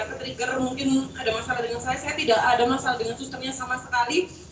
atau trigger mungkin ada masalah dengan saya saya tidak ada masalah dengan sistemnya sama sekali